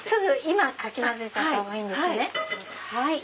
今かき混ぜちゃったほうがいいんですね。